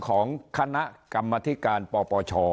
ของคณะกรรมธิการปปช